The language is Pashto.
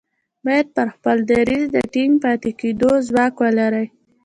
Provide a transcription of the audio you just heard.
بايد پر خپل دريځ د ټينګ پاتې کېدو ځواک ولري.